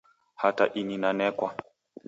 Hata ini nanekwa